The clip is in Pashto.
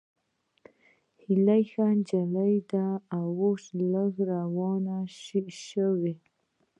هېلۍ ښه نجلۍ وه، خو اوس لږ ورانه شوې